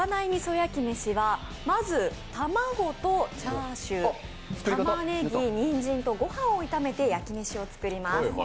やきめしはまず卵とチャーシュー、たまねぎ、にんじんとご飯を炒めてやきめしを作ります。